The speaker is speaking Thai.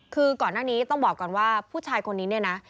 คือก่อนหน้านี้ต้องบอกก่อนว่าผู้ชายคนนี้เนี่ยนะ